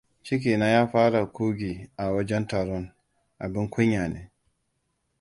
Cikina ya fara ƙugi a wajen taron. Abin kunya ne.